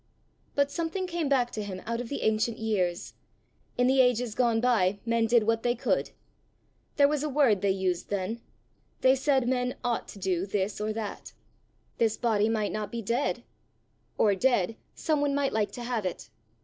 But something came back to him out of the ancient years: in the ages gone by men did what they could! There was a word they used then: they said men ought to do this or that! This body might not be dead or dead, some one might like to have it!